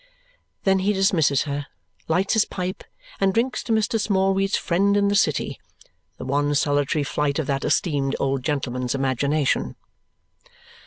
Then he dismisses her, lights his pipe, and drinks to Mr. Smallweed's friend in the city the one solitary flight of that esteemed old gentleman's imagination.